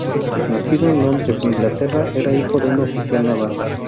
Nacido en Londres, Inglaterra, era hijo de un oficial naval.